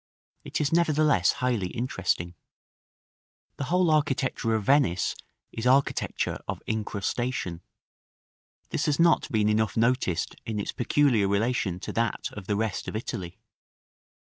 It is nevertheless highly interesting. The whole early architecture of Venice is architecture of incrustation: this has not been enough noticed in its peculiar relation to that of the rest of Italy.